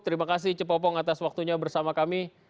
terima kasih cepopong atas waktunya bersama kami